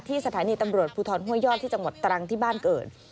สถานีตำรวจภูทรห้วยยอดที่จังหวัดตรังที่บ้านเกิด